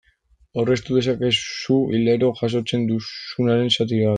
Aurreztu dezakezu hilero jasotzen duzubaren zati bat.